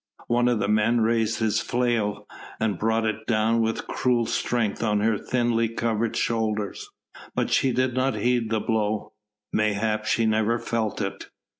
One of the men raised his flail and brought it down with cruel strength on her thinly covered shoulders, but she did not heed the blow, mayhap she never felt it.